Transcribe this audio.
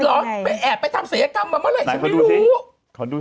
ลองแต่แอบไปทำเสียกรรมอะไรฉันไม่รู้